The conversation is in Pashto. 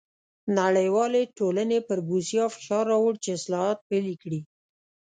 نړیوالې ټولنې پر بوسیا فشار راووړ چې اصلاحات پلي کړي.